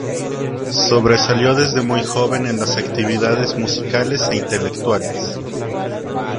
Sobresalió desde muy joven en las actividades musicales e intelectuales.